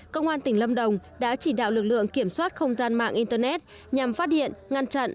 công an tỉnh lâm đồng đã chỉ đạo lực lượng kiểm soát không gian mạng internet nhằm phát hiện ngăn chặn